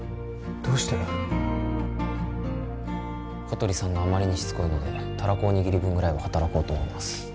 どうして小鳥さんがあまりにしつこいのでたらこおにぎり分ぐらいは働こうと思います